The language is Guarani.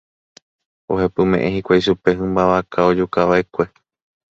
Ohepyme'ẽ hikuái chupe hymba vaka ojukava'ekue.